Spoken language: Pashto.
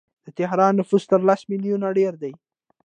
د تهران نفوس تر لس میلیونه ډیر دی.